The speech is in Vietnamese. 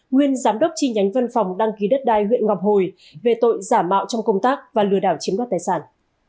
nguyên giám đốc chi nhánh văn phòng đăng ký đất đai huyện ngọc hồi về tội giả mạo trong công tác và lừa đảo chiếm đoạt tài sản